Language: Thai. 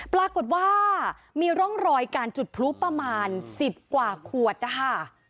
ปรากฏว่ามีร่องรอยการจุดพลุประมาณ๑๐กว่าขวดนะคะ